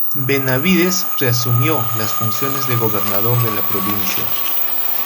Benavídez reasumió las funciones de gobernador de la provincia.